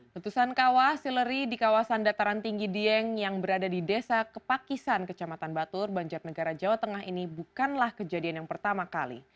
letusan kawah sileri di kawasan dataran tinggi dieng yang berada di desa kepakisan kecamatan batur banjarnegara jawa tengah ini bukanlah kejadian yang pertama kali